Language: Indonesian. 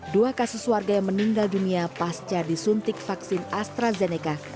dua kasus warga yang meninggal dunia pasca disuntik vaksin astrazeneca